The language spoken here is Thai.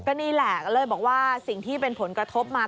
นี่แหละก็เลยบอกว่าสิ่งที่เป็นผลกระทบมา